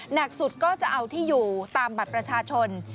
หนักสุดก็จะเอาที่อยู่ตามบัตรประชาชน